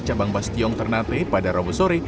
cabang bastiong ternate pada rabu sore